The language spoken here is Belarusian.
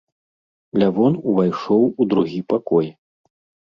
Лявон увайшоў у другі пакой.